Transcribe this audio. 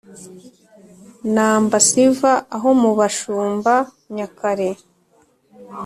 numbersva aho mu bashumba-nyakare